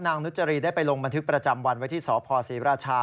นุจรีได้ไปลงบันทึกประจำวันไว้ที่สพศรีราชา